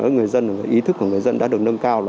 người dân ý thức của người dân đã được nâng cao